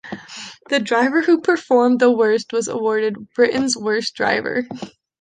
The driver who performed the worst was awarded "Britain's Worst Driver".